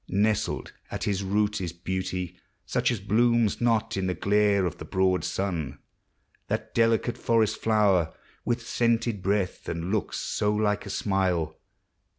Nestled at his root Is beauty, such as blooms not in the glare Of the broad sun. Thai delicate forest flower With scented breath, and look so like a smile.